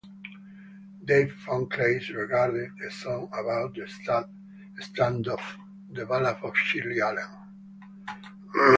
Dave vonKleist recorded a song about the standoff, "The Ballad of Shirley Allen".